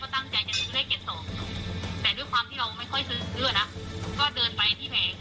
ทันเนี่ยก็โดดไปที่แห่ง